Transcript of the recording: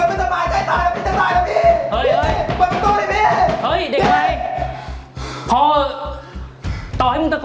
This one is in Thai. เอามาขึ้นมามองเจ้ากันเถอะ